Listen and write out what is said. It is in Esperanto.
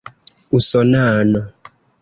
usonano